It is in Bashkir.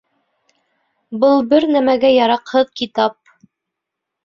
Был бер нәмәгә яраҡһыҙ китап